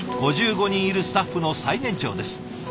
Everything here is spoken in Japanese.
５５人いるスタッフの最年長です。